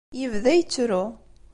Yebda yettru.